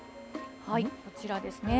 こちらですね。